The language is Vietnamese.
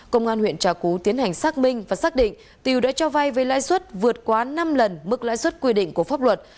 công an huyện trà cú tiến hành xác minh và xác định tiều đã cho vay với lãi suất vượt quá năm lần mức lãi suất quy định của pháp luật